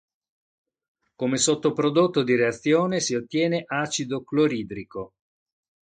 Come sottoprodotto di reazione si ottiene acido cloridrico.